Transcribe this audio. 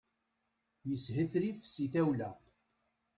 Yeshetrif si tawla.